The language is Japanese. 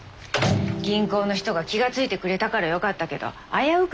銀行の人が気が付いてくれたからよかったけど危うく